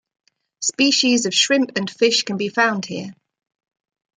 Species of shrimp and fish can be found here.